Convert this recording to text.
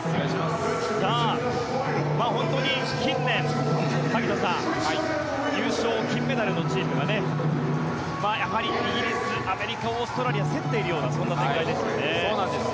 本当に近年、萩野さん優勝、金メダルのチームはやはりイギリス、アメリカオーストラリアが競っているようなそんな展開ですよね。